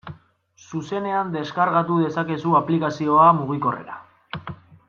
Zuzenean deskargatu dezakezu aplikazioa mugikorrera.